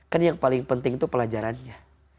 kan yang paling penting itu pelajarannya